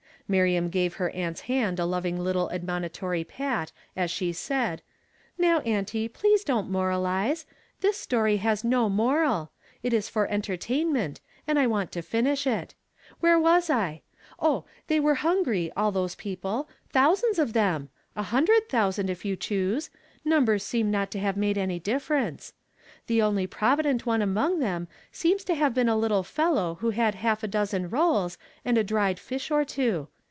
Miriam gave her aunt's hand a loving little admonitory pat as she said :" Now, auntie, please don't moralize. This story has no moral ; it is for entertainment, and I want to finish it. Where was l:'' Oh, they were hungry, all those people; "THEY HAVE TAUr; ilT TffJCHt TONGUE." 203 thousands of tliorn ; a huiidiod thou.sand, if you choose — nuinbcm seem not t<^j have made any dif ference. The only proviflent one anjon^ thein seems to liave l>een a little fellow vvIjo had half a dozen rolls and a dried fish or two.